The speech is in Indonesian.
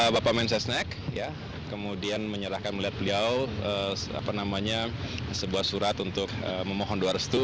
bapak mensesnek kemudian menyerahkan melihat beliau sebuah surat untuk memohon dua restu